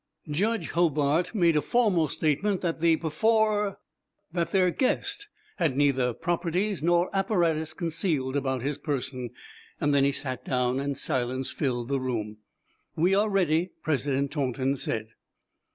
Judge Hobart made a formal statement that the perfor that their guest had neither properties nor apparatus concealed about his person. Then he sat down, and silence filled the room. "We are ready," President Taunton said.